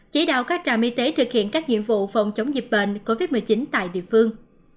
chỉ đạo các trạm y tế thực hiện các nhiệm vụ phòng chống dịch bệnh covid một mươi chín tại địa phương